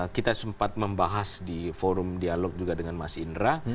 kita sempat membahas di forum dialog juga dengan mas indra